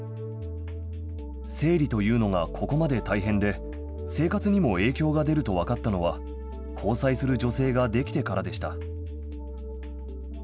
生理というのがここまで大変で、生活にも影響が出ると分かったのは、交際する女性ができてからでした。